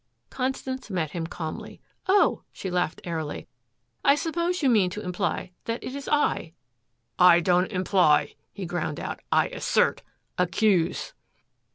Constance met him calmly. "Oh," she laughed airily, "I suppose you mean to imply that it is I." "I don't imply," he ground out, "I assert accuse."